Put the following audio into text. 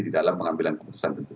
di dalam pengambilan keputusan